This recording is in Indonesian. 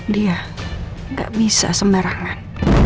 dia gak bisa sembarangan